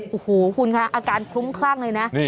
โอ้โหคุณค่ะอาการคลุ้มคลั่งเลยนะ